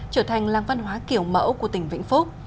trở thành làng văn hóa kiểu mẫu của tỉnh vĩnh phúc